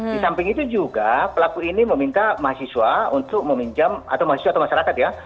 di samping itu juga pelaku ini meminta mahasiswa untuk meminjam atau mahasiswa atau masyarakat ya